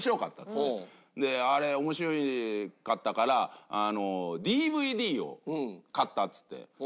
あれ面白かったからＤＶＤを買ったっつって。